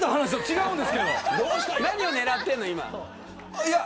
何を狙っているの、今。